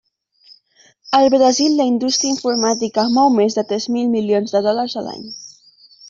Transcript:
Al Brasil, la indústria informàtica mou més de tres mil milions de dòlars a l'any.